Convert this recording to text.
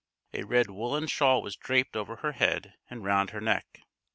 A red woolen shawl was draped over her head and round her neck.